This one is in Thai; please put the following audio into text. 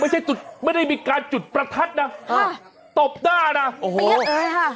ไม่ใช่จุดไม่ได้มีการจุดประทัดน่ะฮะตบหน้าน่ะโอ้โหเป็นอะไรฮะ